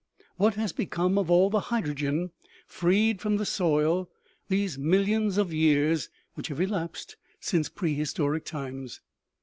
What has become of all the hydrogen freed from the soil these millions of years which have elapsed since pre historic times